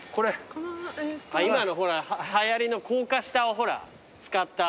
今のはやりの高架下をほら使った。